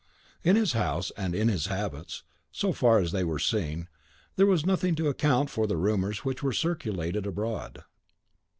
In his house, and in his habits, so far as they were seen, there was nothing to account for the rumours which were circulated abroad.